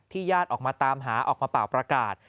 ญาติออกมาตามหาออกมาเป่าประกาศ